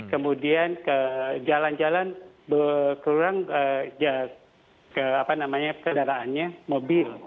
kemudian jalan jalan berkurang kendaraannya mobil